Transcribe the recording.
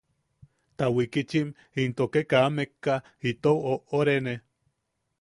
Ta wikichim into ke kaa mekka itou oʼorene.